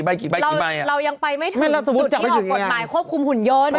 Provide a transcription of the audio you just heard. เรายังไปไม่ถึงที่ออกกฎหมายควบคุมหุ่นยนต์